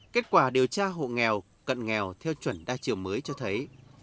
kết quả điều tra hộ nghèo cận nghèo theo chuẩn đa chiều mới cho thấy